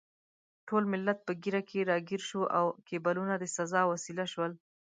ټول ملت په ږیره کې راګیر شو او کیبلونه د سزا وسیله شول.